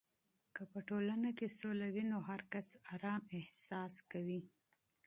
که په ټولنه کې سوله وي، نو هر کس آرام احساس کوي.